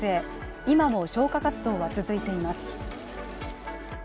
今も消火活動は続いています。